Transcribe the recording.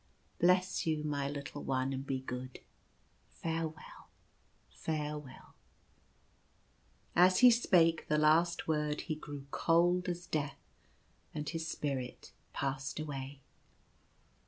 Bless you, my little one, and be good. Farewell ! farewell !" As he spake the last word he grew cold as death, and his spirit passed away.